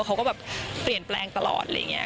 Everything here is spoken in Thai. เขาก็แบบเปลี่ยนแปลงตลอดอะไรอย่างนี้